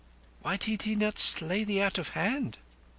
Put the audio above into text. "Why did he not slay thee out of hand?"